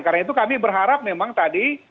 karena itu kami berharap memang tadi